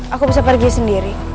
aku bisa pergi sendiri